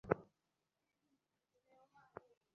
যদিও তাকে আমি পেটে ধরি নি।